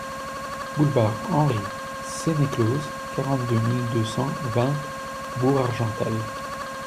Boulevard Henri Sénéclauze, quarante-deux mille deux cent vingt Bourg-Argental